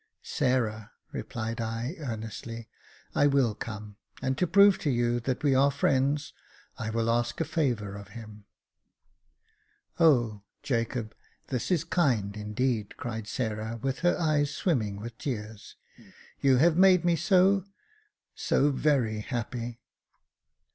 "Sarah," replied I, earnestly, "I will come; and to prove to you that we are friends, I will ask a favour of him." " Oh, Jacob, this is kind, indeed," cried Sarah, with her eyes swimming with tears. " You have made me so — so very happy."